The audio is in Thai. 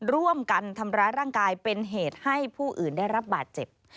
ร่วมกันทำร้ายร่างกายเป็นเหตุให้ผู้อื่นได้รับบาดเจ็บ